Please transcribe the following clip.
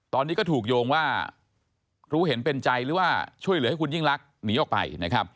ตอนนี้ก็ถูกโยงว่ารู้เห็นเป็นใจหรือว่าช่วยเหลือให้คุณยิ่งลักษณ์หนีออกไปนะครับ